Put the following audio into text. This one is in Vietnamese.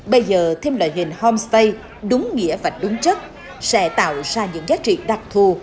bây giờ thêm loại hình homestay đúng nghĩa và đúng chất sẽ tạo ra những giá trị đặc thù